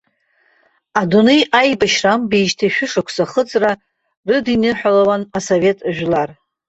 Адунеи аибашьра амбеижьҭеи шәышықәса ахыҵра рыдиныҳәалауан асовет жәлар.